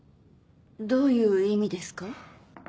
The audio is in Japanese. どういう意味ですか？